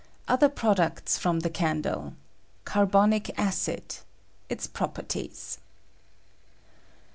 ^— OTH ER PRODUCTS FROM THE CAiTDLE. — CARBON IC ACID. — ITS PROPERTIES.